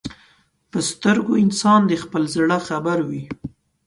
په سترګو انسان د خپل زړه خبر وي